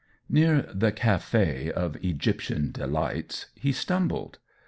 Near the Café of Egyptian Delights he stumbled.